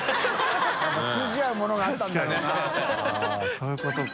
そういうことか。